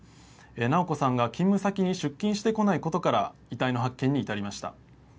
直子さんが勤務先に出勤してこないことから遺体の発見に至りました。